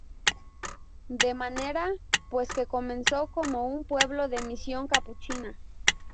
De manera pues que comenzó como un pueblo de misión capuchina.